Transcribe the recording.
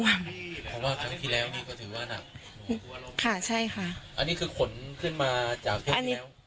เพราะว่าเที่ยวนี้ก็ถือว่านักค่ะใช่ค่ะอันนี้คือขนขึ้นมาจากเที่ยวที่แล้ว